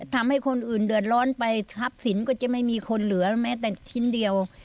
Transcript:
ทำให้คนอื่นเดือดร้อนไปทรัพย์สินก็จะไม่มีคนเหลือแม้แต่ชิ้นเดียว